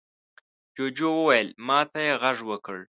جوجو وويل: ما ته يې غږ وکړ.